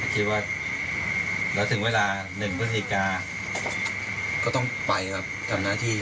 คิดว่าแล้วถึงเวลาหนึ่งเมื่อสี่กาก็ต้องไปทำหน้าที่